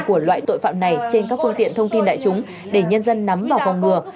của loại tội phạm này trên các phương tiện thông tin đại chúng để nhân dân nắm và phòng ngừa